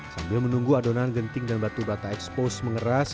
sambil menunggu adonan genting dan batu bata expose mengeras